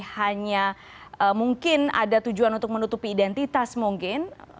hanya mungkin ada tujuan untuk menutupi identitas mungkin